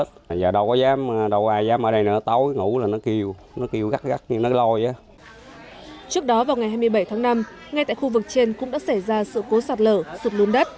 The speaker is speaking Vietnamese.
trước đó vào ngày hai mươi bảy tháng năm ngay tại khu vực trên cũng đã xảy ra sự cố sạt lở sụt lún đất